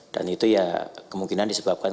dan itu ya kemungkinan disebabkan